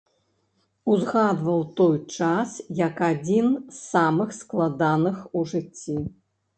Узгадваў той час як адзін самых складаных у жыцці.